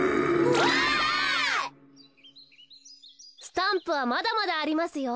スタンプはまだまだありますよ。